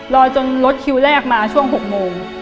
รอจนลดคิวแรกมาช่วง๖โมง